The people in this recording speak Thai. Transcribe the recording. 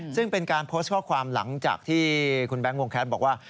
ซึ่งเป็นการโพสต์ข้อความหลังจากที่คุณแบงค์วงแคทบอกว่า